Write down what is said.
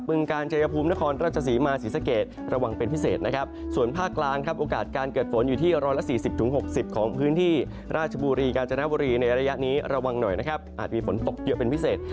การชายภูมินครราชศรีมาศรีสะเกดระวังเป็นพิเศษนะครับส่วนภาคกลางครับโอกาสการเกิดฝนอยู่ที่๑๔๐๖๐ของพื้นที่ราชบุรีกาญจนบุรีในระยะนี้ระวังหน่อยนะครับอาจมีฝนตกเยอะเป็นพิเศษ